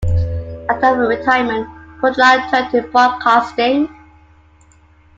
After retirement, Podolak turned to broadcasting.